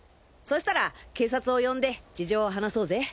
そしたら警察を呼んで事情を話そうぜ。